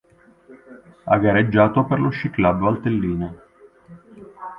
Ha gareggiato per lo Sci Club Valtellina.